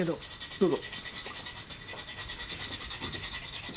どうぞ。